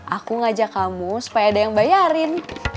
aku ngajak kamu supaya ada yang bayarin